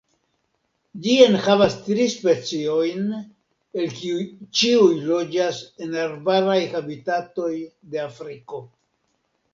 Ĝi enhavas tri speciojn, el kiuj ĉiuj loĝas en arbaraj habitatoj de Afriko.